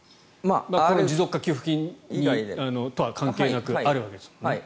持続化給付金とは関係なくあるわけですもんね。